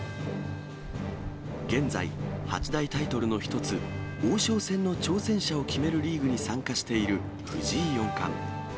現在、八大タイトルの一つ、王将戦の挑戦者を決めるリーグに参加している藤井四冠。